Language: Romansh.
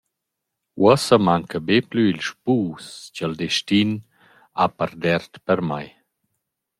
Uossa manca be plü il spus cha’l destin ha pardert per mai.»